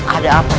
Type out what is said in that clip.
ada apa ini